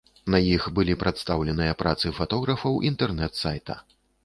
На іх былі прадстаўленыя працы фатографаў інтэрнэт-сайта.